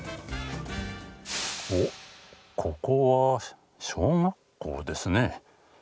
おっここは小学校ですね。